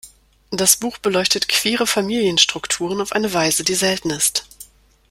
Das Buch beleuchtet queere Familienstrukturen auf eine Weise, die selten ist.